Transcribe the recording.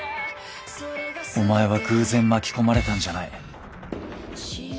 お前は偶然巻き込まれたんじゃない。